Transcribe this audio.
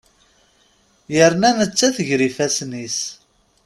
Yerna nettat gar ifasen-is.